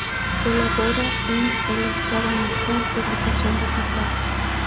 Colabora en "El Estado Mental", publicación digital.